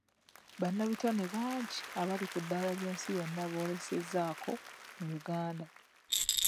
Bannabitone bangi abali ku ddaala 'y'ensi yonna boolesezzaako mu Uganda.